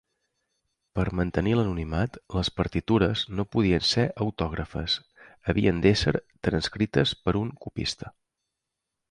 Per mantenir l’anonimat, les partitures no podien ser autògrafes, havien d’ésser transcrites per un copista.